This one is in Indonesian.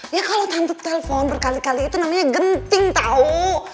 ya kalau tante telfon berkali kali itu namanya genting tau